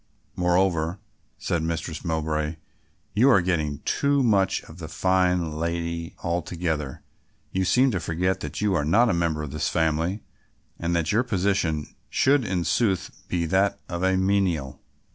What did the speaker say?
"Moreover," said Mistress Mowbray, "you are getting too much of the fine lady altogether, you seem to forget that you are not a member of this family and that your position should in sooth be that of a menial."